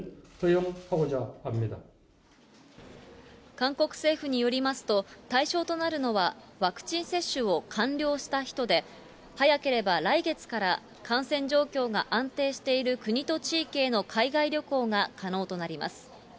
韓国政府によりますと、対象となるのは、ワクチン接種を完了した人で、早ければ来月から感染状況が安定している国と地域への海外旅行が可能となります。